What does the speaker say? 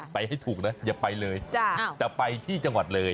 ไปให้ถูกนะอย่าไปเลยแต่ไปที่จังหวัดเลย